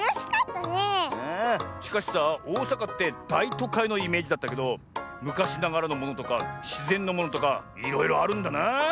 しかしさおおさかってだいとかいのイメージだったけどむかしながらのものとかしぜんのものとかいろいろあるんだな！